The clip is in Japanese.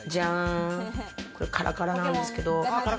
カラカラなんですけど。